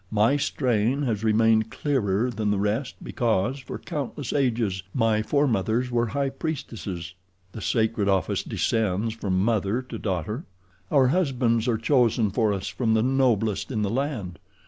My strain has remained clearer than the rest because for countless ages my foremothers were high priestesses—the sacred office descends from mother to daughter. Our husbands are chosen for us from the noblest in the land.